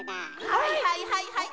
はいはいはいはい！